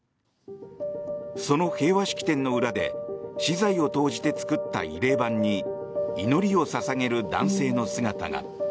その平和式典の裏で私財を投じて作った慰霊板に祈りを捧げる男性の姿が。